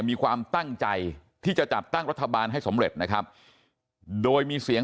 มีความตั้งใจที่จะจัดตั้งรัฐบาลให้สำเร็จนะครับโดยมีเสียง